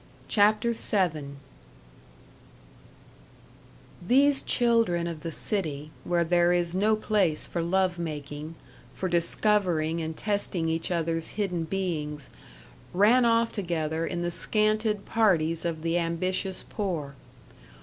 CHAPTER VII These children of the city, where there is no place for love making, for discovering and testing each other's hidden beings, ran off together in the scanted parties of the ambitious poor.